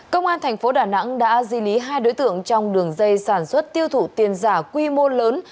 công an thành phố đà nẵng đã di lý hai đối tượng trong đường dây sản xuất tiêu thụ tiền giả quy mô lớn